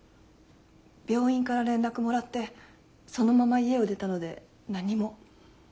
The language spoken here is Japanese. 病院から連絡もらってそのまま家を出たので何も。